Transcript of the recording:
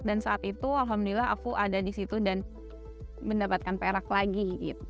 dan saat itu alhamdulillah aku ada di situ dan mendapatkan perak lagi